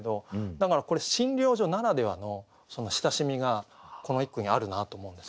だからこれ診療所ならではのその親しみがこの一句にあるなと思うんですよ。